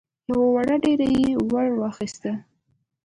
يوه وړه ډبره يې ور واخيسته.